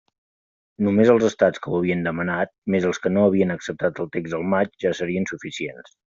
Només els estats que ho havien demanat, més els que no havien acceptat el text el maig, ja serien suficients.